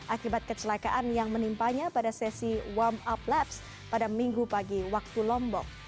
akibat kecelakaan yang menimpanya pada sesi warm up laps pada minggu pagi waktu lombok